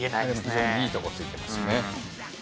非常にいいとこついてますよね。